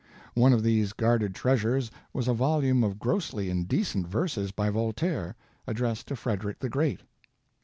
One of these guarded treasures was a volume of grossly indecent verses by Voltaire, addressed to Frederick the Great.